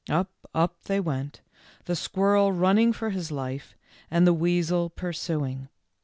Up, up, they went, the squirrel running for his life, and the weasel pursuing.